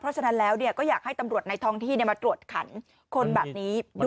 เพราะฉะนั้นแล้วก็อยากให้ตำรวจในท้องที่มาตรวจขันคนแบบนี้